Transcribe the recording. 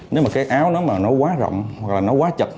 nếu mà cái áo nó quá rộng hoặc là nó quá chật